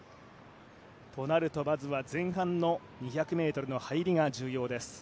となるとまずは前半の２００ｍの入りが重要です。